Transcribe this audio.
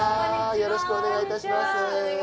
よろしくお願いします。